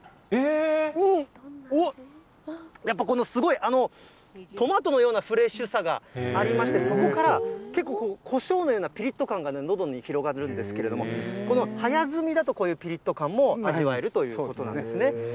おっ、やっぱこのすごい、トマトのようなフレッシュさがありまして、そこから結構コショウのようなぴりっと感がね、のどに広がるんですけれども、この早摘みだとこういうぴりっと感も味わえるということなんですね。